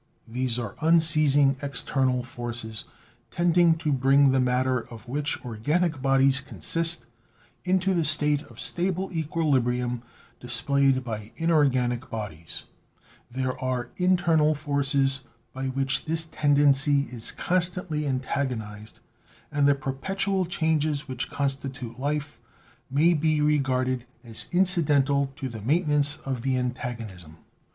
There are unceasing external forces tending to bring the matter of which organic bodies consist, into that state of stable equilibrium displayed by inorganic bodies; there are inter nal forces by which this tendency is constantly antago nized, and the perpetual changes which constitute Life may be regarded as incidental to the maintenance of the antagonism.